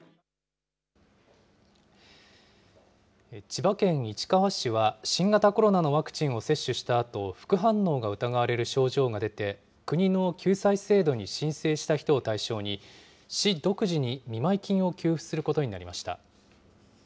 千葉県市川市は、新型コロナのワクチンを接種したあと、副反応が疑われる症状が出て、国の救済制度に申請した人を対象に、市独自に見舞い金を給付することになりました。